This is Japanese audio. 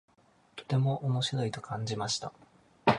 とても面白いと感じました。